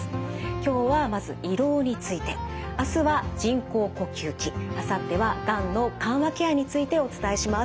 今日はまず胃ろうについてあすは人工呼吸器あさってはがんの緩和ケアについてお伝えします。